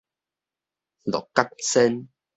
鹿角仙